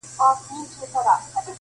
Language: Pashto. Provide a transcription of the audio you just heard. • پر سینه یې د تیرې مشوکي وار سو -